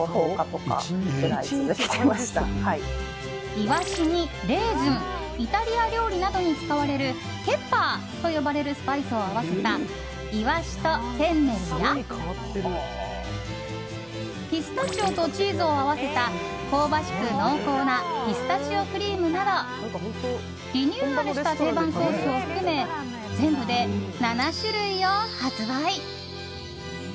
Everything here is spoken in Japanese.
イワシにレーズンイタリア料理などに使われるケッパーと呼ばれるスパイスを合わせたいわしとフェンネルやピスタチオとチーズを合わせた香ばしく濃厚なピスタチオクリームなどリニューアルした定番ソースを含め全部で７種類を発売。